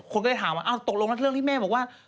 คนก็เลยถามว่าตกลงแล้วเรื่องที่แม่บอกว่า